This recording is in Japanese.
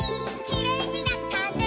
「きれいになったね」